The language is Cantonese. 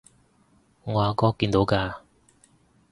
我阿哥見到㗎